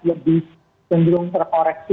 lebih cenderung terkoreksi